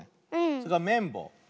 それからめんぼう。